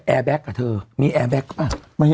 แอร์แบ็กกับเธอมีแอร์แบ็ครเหรอ